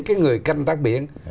cái người canh thác biển